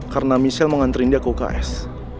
karena michelle mau ngantriin dia ke uks